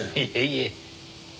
いえいえ。